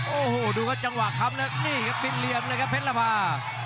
โอ้โหดูกับจังหวะคำนี้ครับมิดเลี่ยงเลยครับเพลภา